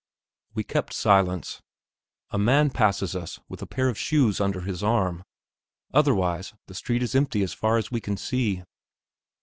We kept silence. A man passes us, with a pair of shoes under his arm; otherwise, the street is empty as far as we can see.